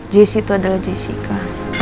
jess itu adalah jessica